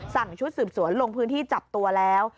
ชุดสืบสวนลงพื้นที่จับตัวแล้ว